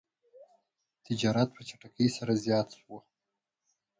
تجارت په چټکۍ سره زیات شو.